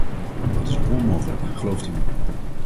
Dat is onmogelijk, gelooft u me!